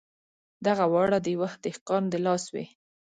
دغه واړه د یوه دهقان د لاس وې.